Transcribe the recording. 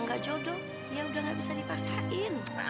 gak jodoh yaudah gak bisa dipaksain